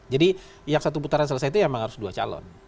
jadi yang satu putaran selesai itu emang harus dua calon